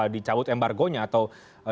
dicawut embargonya atau